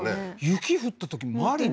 雪降ったとき周り